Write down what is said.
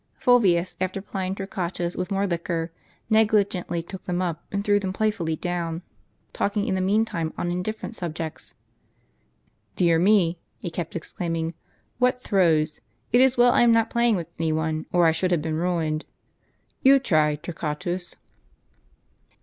Fulvius, after plying Torquatus with more liquor, negligently took them up, and threw them playfully down, talking in the mean time on indifferent subjects. "Dear me! " he kept exclaiming, "Avhat throws! It is well I am not playing with any one, or I should have been ruined. You try, Torquatus."